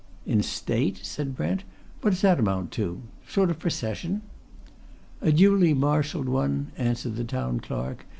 "In state?" said Brent. "What's that amount to? Sort of procession?" "A duly marshalled one," answered the Town Clerk.